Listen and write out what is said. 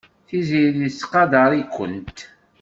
Tiziri tettqadar-ikent.